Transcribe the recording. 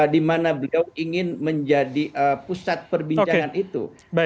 dimana beliau ingin menjadi pusat perbincangan itu